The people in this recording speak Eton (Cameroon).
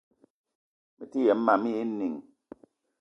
Mete yem mam éè inìng